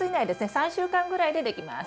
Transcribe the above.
３週間ぐらいでできます。